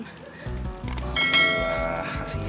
alhamdulillah kasih ya